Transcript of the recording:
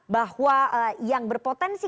bahwa yang berpotensi